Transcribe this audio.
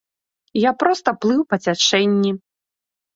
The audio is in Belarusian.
Я проста плыў па цячэнні.